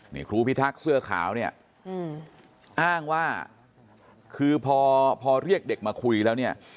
นี่ครูพิทักษ์เสื้อขาวเนี่ยอ้างว่าคือพอเรียกเด็กมาคุยแล้วเนี่ย